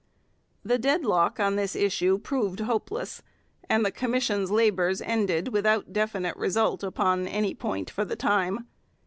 The deadlock in this issue proved hopeless, and the Commission's labours ended without definite result upon any point for the time.